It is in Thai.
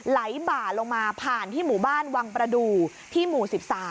บ่าลงมาผ่านที่หมู่บ้านวังประดูที่หมู่๑๓